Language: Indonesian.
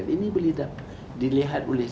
ini boleh dilihat oleh